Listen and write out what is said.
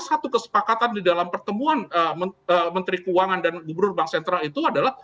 satu kesepakatan di dalam pertemuan menteri keuangan dan gubernur bank sentral itu adalah